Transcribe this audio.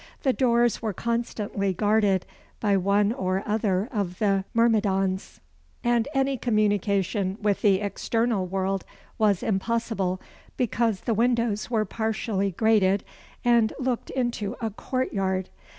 The doors were constantly guarded by one or other of the myrmidons; and any communication with the external world was impossible, because the windows were partially grated, and looked into a court yard.